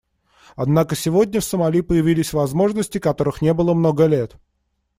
Однако сегодня в Сомали появились возможности, которых не было много лет.